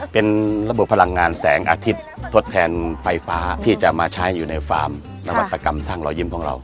เป็นระบบพลังงานแสงอาทิตย์ทดแทนไฟฟ้าที่จะมาใช้อยู่ในฟาร์มนวัตกรรมสร้างรอยยิ้มของเรา